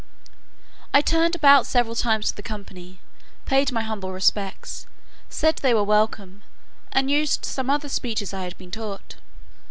I turned about several times to the company, paid my humble respects, said they were welcome, and used some other speeches I had been taught.